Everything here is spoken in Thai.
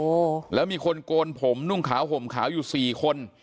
โอ้โหแล้วมีคนโกนผมนุ่งขาวห่มขาวอยู่สี่คน